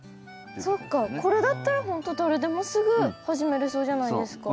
これだったらほんと誰でもすぐ始めれそうじゃないですか。